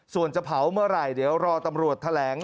ส่วนจะเผาเมื่อไหร่เดี๋ยวรอตำรวจแถลง